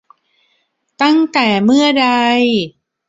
ตั้งแต่เมื่อใด ?